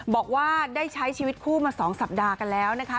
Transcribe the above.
บอกว่าได้ใช้ชีวิตคู่มา๒สัปดาห์กันแล้วนะคะ